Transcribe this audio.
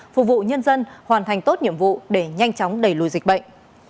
phục vụ nhân dân hoàn thành tốt nhiệm vụ để nhanh chóng đẩy lùi dịch bệnh